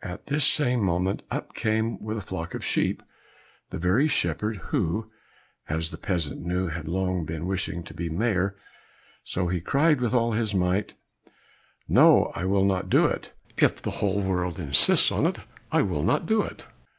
At this same moment up came, with a flock of sheep, the very shepherd who as the peasant knew had long been wishing to be Mayor, so he cried with all his might, "No, I will not do it; if the whole world insists on it, I will not do it!"